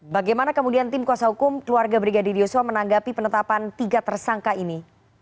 bagaimana kemudian tim kuasa hukum keluarga brigadir yosua menanggapi penetapan tiga tersangka ini